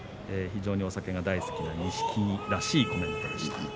非常にお酒が大好きな錦木らしいコメントでした。